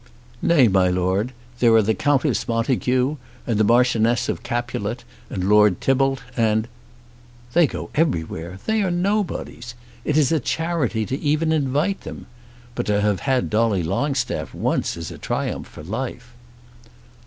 "Nay, my Lord, there are the Countess Montague, and the Marchioness of Capulet, and Lord Tybalt, and " "They go everywhere. They are nobodies. It is a charity to even invite them. But to have had Dolly Longstaff once is a triumph for life."